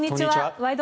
「ワイド！